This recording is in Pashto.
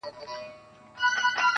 او هغه خړ انځور~